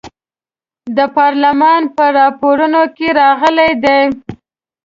د پارلمان په راپورونو کې راغلي دي.